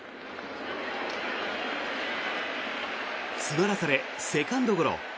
詰まらせれ、セカンドゴロ。